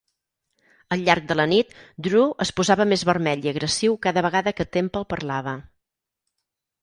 Al llarg de la nit, Drew es posava més vermell i agressiu cada vegada que Temple parlava.